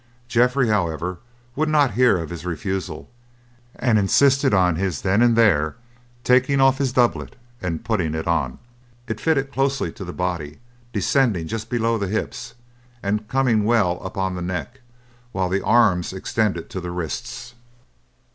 Geoffrey, however, would not hear of his refusal, and insisted on his then and there taking off his doublet and putting it on. It fitted closely to the body, descending just below the hips, and coming well up on the neck, while the arms extended to the wrists.